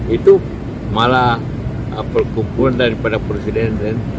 itu malah perkumpulan daripada presiden